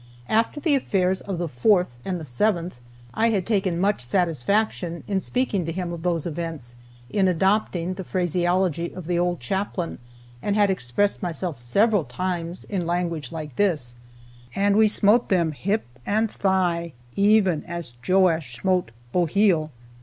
After the affairs of the 4th and the 7th, I had taken much satisfaction, in speaking to him of those events, in adopting the phraseology of the old chaplain, and had expressed myself several times in language like this: "And we smote them, hip and thigh, even as Joash smote Boheel!"